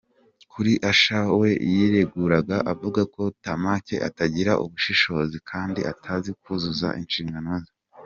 Kuri Usher we yireguraga avuga ko Tameka atagira ubushishozi kandi atazi kuzuza inshingano ze.